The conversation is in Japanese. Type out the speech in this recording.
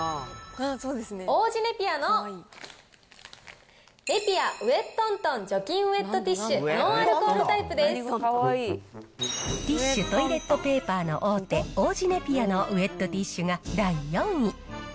王子ネピアのネピアウエットントン除菌ウエットティッシュノティッシュ、トイレットペーパーの大手、王子ネピアのウエットティッシュが第４位。